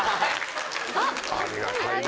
ありがたいね。